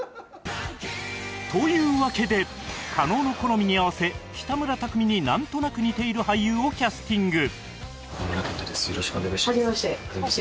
というわけで加納の好みに合わせ北村匠海になんとなく似ている俳優をキャスティングはじめまして Ａ マッソ加納です。